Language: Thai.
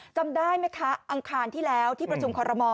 จำได้ไหมคะอังคารที่แล้วที่ประชุมคอรมอล